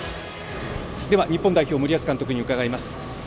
日本代表・森保監督に伺います。